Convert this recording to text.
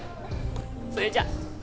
それじゃ。